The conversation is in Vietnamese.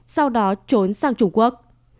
sau đó trốn sang trung quốc